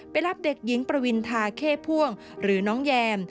รับเด็กหญิงประวินทาเข้พ่วงหรือน้องแยม